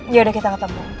yaudah kita ketemu